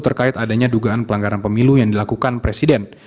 terkait adanya dugaan pelanggaran pemilu yang dilakukan presiden